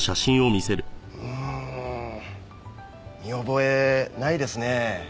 うーん見覚えないですね。